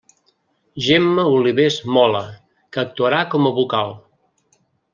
Gemma Olivés Mola, que actuarà com a vocal.